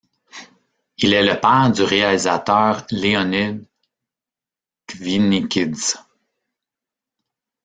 Il est le père du réalisateur Leonid Kvinikhidze.